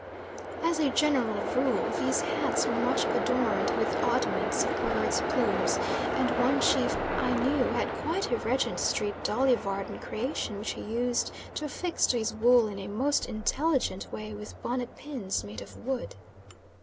As a general rule these hats are much adorned with oddments of birds' plumes, and one chief I knew had quite a Regent street Dolly Varden creation which he used to affix to his wool in a most intelligent way with bonnet pins made of wood.